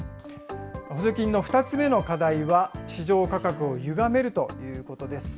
補助金の２つ目の課題は、市場価格をゆがめるということです。